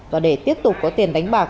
và để tiếp tục có tiền đánh bạc